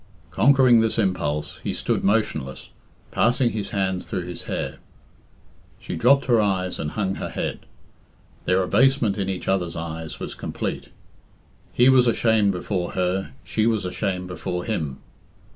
Conquering this impulse, he stood motionless, passing his hands through his hair. She dropped her eyes and hung her head. Their abasement in each other's eyes was complete. He was ashamed before her, she was ashamed before him.